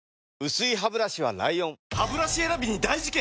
薄いハブラシは ＬＩＯＮハブラシ選びに大事件！